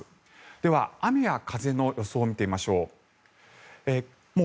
では、雨や風の予想を見てみましょう。